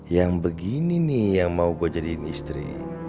yang begini nih yang mau gue jadiin istri